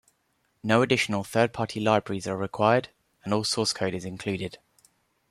No additional third party libraries are required, and all source code is included.